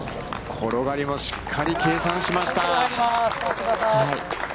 転がりも、しっかり計算しました。